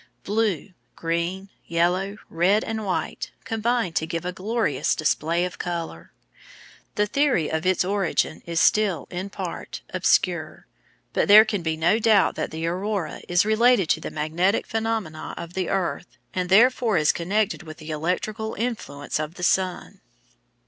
Blue, green, yellow, red, and white combine to give a glorious display of colour. The theory of its origin is still, in part, obscure, but there can be no doubt that the aurora is related to the magnetic phenomena of the earth and therefore is connected with the electrical influence of the sun.